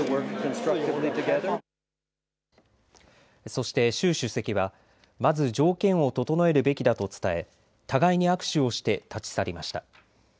そして習主席はまず条件を整えるべきだと伝え互いに握手をして立ち去りました。